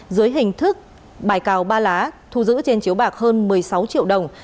dưới hình thức bài cào ba lá thu giữ trên chiếu bạc hơn một mươi sáu triệu đồng